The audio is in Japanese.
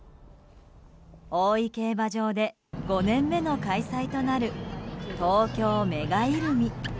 大井競馬場で５年目の開催となる東京メガイルミ。